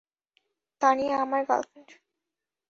তানিয়া আমার গার্লফ্রেন্ড।